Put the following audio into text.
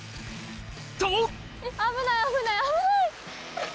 と！